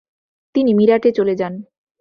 তিনি মিরাটে চলে যান।